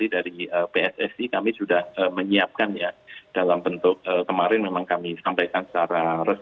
di antara pssi dan juga pihak jis